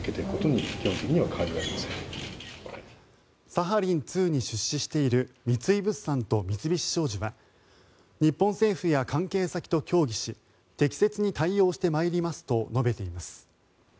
サハリン２に出資している三井物産と三菱商事は日本政府や関係先と協議し適切に対応してまいりますと述べています。